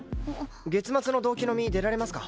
月末の同期飲み出られますか？